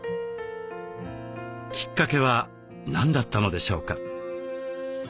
きっかけは何だったのでしょうか。